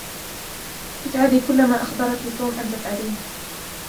إفعلى كل ما أخبركِ توم أن تفعليه.